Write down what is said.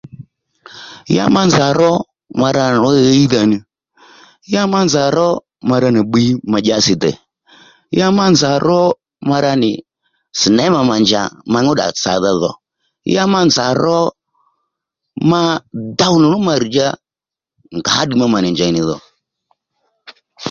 Ya ma nzà ró ma ra nì ɦiy ɦíydha ní ya ma nzà ro ma ra nì bbiy ma dyási dè ya ma nzà ró ma ra nì sìnémà mà njà ma nyúddà tsàdha dhò ya ma nzà ro ma dow nì nǔ ma rřdjǎ ngǎ ddiy má ma nì njěy nì dho